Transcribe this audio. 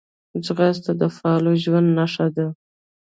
ځغاسته د فعاله ژوند نښه ده